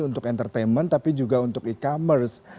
untuk entertainment tapi juga untuk e commerce